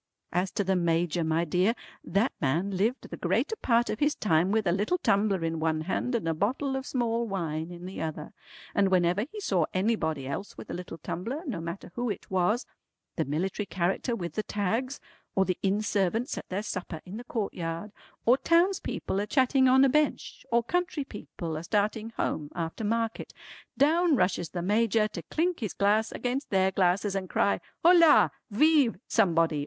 As to the Major my dear that man lived the greater part of his time with a little tumbler in one hand and a bottle of small wine in the other, and whenever he saw anybody else with a little tumbler, no matter who it was, the military character with the tags, or the inn servants at their supper in the courtyard, or townspeople a chatting on a bench, or country people a starting home after market, down rushes the Major to clink his glass against their glasses and cry, Hola! Vive Somebody!